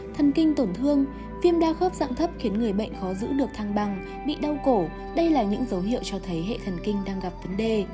thần kinh tổn thương viêm đa khớp dạng thấp khiến người bệnh khó giữ được thăng bằng bị đau cổ đây là những dấu hiệu cho thấy hệ thần kinh đang gặp vấn đề